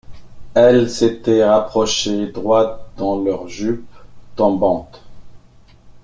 Elles s’étaient rapprochées, droites dans leurs jupes tombantes.